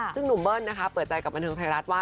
ซึ่งหนุ่มเบิร์นเปิดใจกับบันทึกไพรัสว่า